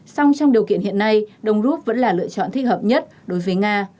song trong điều kiện hiện nay đồng rút vẫn là lựa chọn thích hợp nhất đối với nga